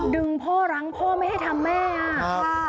ดึงพ่อรั้งพ่อไม่ให้ทำแม่อ่ะ